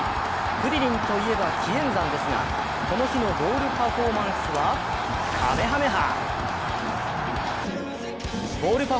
クリリンといえば気円斬ですがこの日のゴールパフォーマンスはかめはめ波！